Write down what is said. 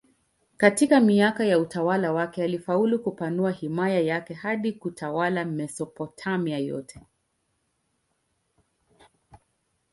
Katika miaka ya utawala wake alifaulu kupanua himaya yake hadi kutawala Mesopotamia yote.